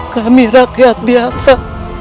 kami rakyat biasa